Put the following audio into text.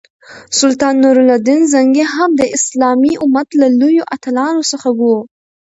سلطان نور الدین زنګي هم د اسلامي امت له لویو اتلانو څخه وو.